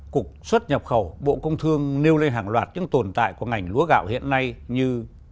cục xuất nhập khẩu bộ công thương nêu lên hàng loạt những tồn tại của ngành lúa gạo hiện nay như